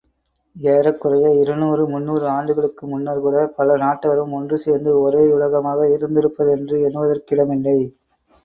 ஏறக்குறைய இருநூறு முன்னூறு ஆண்டுகளுக்கு முன்னர்கூட பல நாட்டவரும் ஒன்று சேர்ந்து ஒரே யுலகமாக இருந்திருப்பர் என்று எண்ணுவதற்கிடமில்லை.